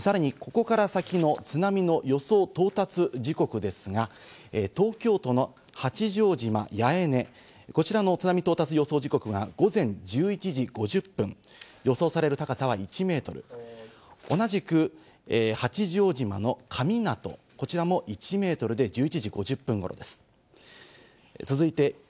さらに、ここから先の津波の予想到達時刻ですが、東京都の八丈島八重根、こちらの津波到達予想時刻が午前１１時５０分、予想される高さは１ｍ、同じく八丈島の神湊、こちらも１ｍで１１時５０分頃です。